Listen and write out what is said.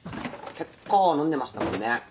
結構飲んでましたもんね。